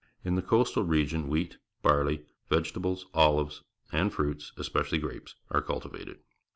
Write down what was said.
In the coastal region wheat, barley, vegetables, olives, and fruits, especially grapes, are cultivated.